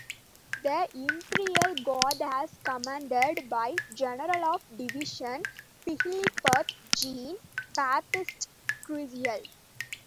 The Imperial Guard was commanded by General of Division Philibert Jean-Baptiste Curial.